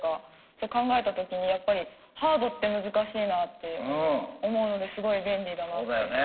そう考えた時にやっぱりハードって難しいなって思うのですごい便利だなって。